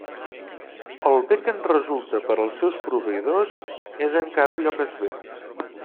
El bé que en resulta per als seus proveïdors, és encara allò que es veu.